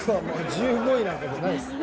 １５位なんかじゃないです。